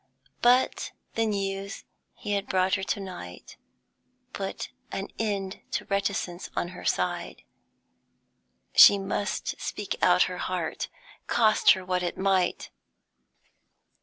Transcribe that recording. But the news he had brought her to night put an end to reticence on her side. She must speak out her heart, cost her what it might.